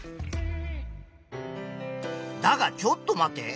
だがちょっと待て。